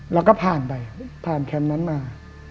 แล้วก็ผ่านไปผ่านแคมป์นั้นมา